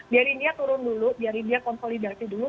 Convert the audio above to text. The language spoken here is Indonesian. biarin dia turun dulu biarin dia konsolidasi dulu